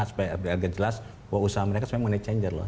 supaya rblg jelas bahwa usaha mereka sebenarnya money changer loh